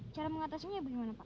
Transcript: cara mengatasinya bagaimana pak